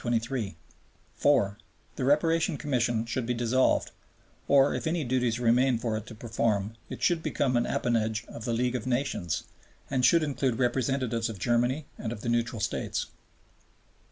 (4) The Reparation Commission should be dissolved, or, if any duties remain for it to perform, it should become an appanage of the League of Nations and should include representatives of Germany and of the neutral States.